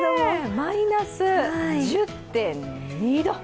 マイナス１０．２度。